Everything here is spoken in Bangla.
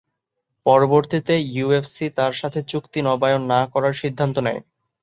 পরবর্তীতে, ইউএফসি তার সাথে চুক্তি নবায়ন না করার সিদ্ধান্ত নেয়।